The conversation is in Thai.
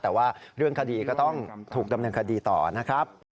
แต่ว่าเรื่องคดีก็ต้องถูกดำเนินคดีต่อนะครับ